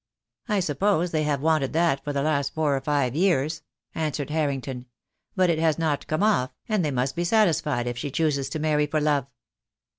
"I suppose they have wanted that for the last four or five years," answered Harrington; "but it has not come off, and they must be satisfied if she chooses to marry for love."